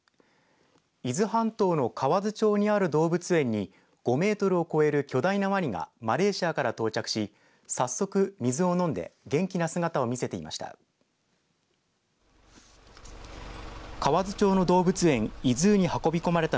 伊豆半島の河津町にある動物園に５メートルを超える巨大なワニがマレーシアから到着し早速、水を飲んで元気な姿を見せていました。